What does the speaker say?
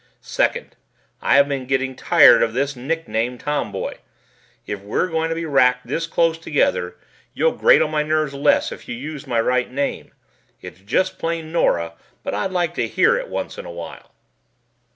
Second, I have been getting tired of this nickname 'Tomboy'. If we're going to be racked this close together, you'll grate on my nerves less if you use my right name. It's just plain 'Nora' but I'd like to hear it once in a while."